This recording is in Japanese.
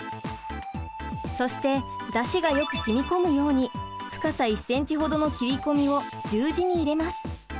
そしてだしがよく染み込むように深さ１センチ程の切り込みを十字に入れます。